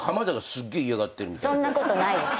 そんなことないです。